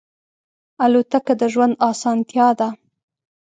الوتکه د ژوند آسانتیا ده.